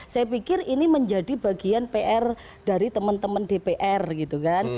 saya pikir ini menjadi bagian pr dari teman teman dpr gitu kan